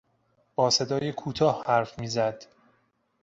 با صدای کوتاه حرف میزد.